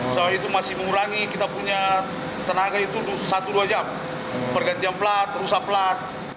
saya itu masih mengurangi kita punya tenaga itu satu dua jam pergantian plat rusak pelat